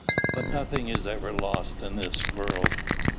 But nothing is ever lost in this world.